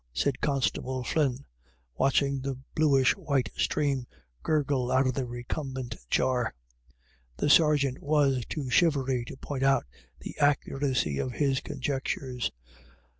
" said Constable Flynn, watching the bluish white stream gurgle out of the recumbent jar. The sergeant was too shivery to point out the accuracy of his conjectures.